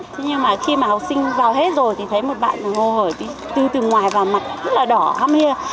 thế nhưng mà khi mà học sinh vào hết rồi thì thấy một bạn ngồi hỏi đi từ từ ngoài vào mặt rất là đỏ ham hia